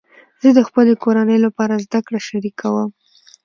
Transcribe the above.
زه د خپلې کورنۍ لپاره زده کړه شریکوم.